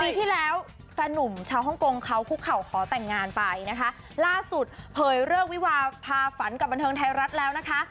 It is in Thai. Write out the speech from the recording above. ปีที่แล้วแฟนนุ่มชาวฮ่องกงเขาคุกเข่าขอแต่งงานไปนะคะล่าสุดเผยเลิกวิวาพาฝันกับบันเทิงไทยรัฐแล้วนะคะ